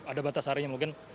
ada batas harinya mungkin